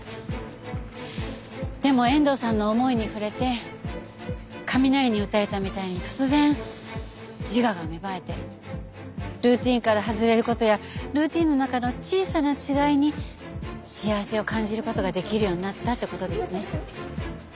でも遠藤さんの思いに触れて雷に打たれたみたいに突然自我が芽生えてルーティンから外れる事やルーティンの中の小さな違いに幸せを感じる事ができるようになったって事ですね。